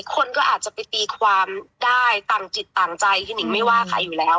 คนก็อาจจะไปตีความได้ต่างจิตต่างใจพี่หนิงไม่ว่าใครอยู่แล้ว